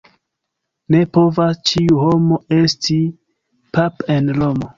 Ne povas ĉiu homo esti pap' en Romo.